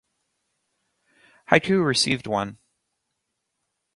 Haiku received one.